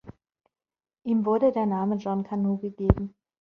Ihm wurde der Name John Canoe gegeben.